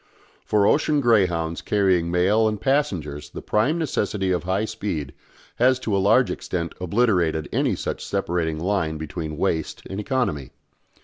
For ocean greyhounds carrying mails and passengers the prime necessity of high speed has to a large extent obliterated any such separating line between waste and economy.